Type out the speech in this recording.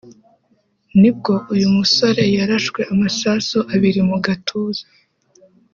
nibwo uyu musore yarashwe amasasu abiri mu gatuza